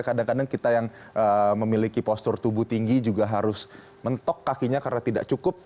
kadang kadang kita yang memiliki postur tubuh tinggi juga harus mentok kakinya karena tidak cukup